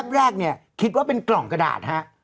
แรกเนี่ยคิดว่าเป็นกล่องกระดาษฮะ